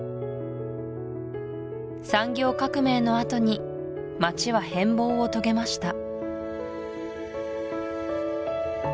産業革命のあとに街は変貌を遂げました